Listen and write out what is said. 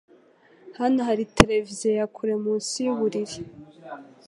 Hano hari televiziyo ya kure munsi yuburiri.